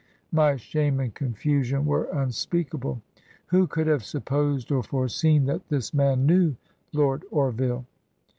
My shame and confusion were unspeaka ble. Who could have supposed or foreseen that this man knew Lord Orville?